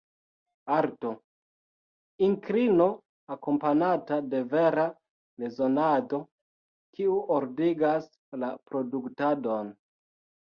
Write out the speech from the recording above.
Arto: inklino akompanata de vera rezonado kiu ordigas la produktadon.